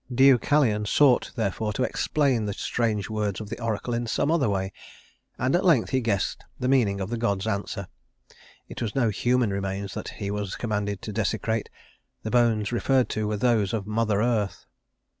Deucalion sought, therefore, to explain the strange words of the oracle in some other way; and at length he guessed the meaning of the god's answer. It was no human remains that he was commanded to desecrate; the bones referred to were those of Mother Earth.